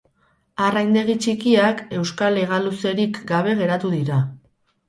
Arraindegi txikiak euskal hegaluzerik gabe geratu dira.